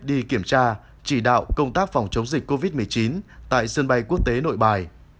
đi kiểm tra chỉ đạo công tác phòng chống dịch covid một mươi chín tại sân bay quốc tế nội bài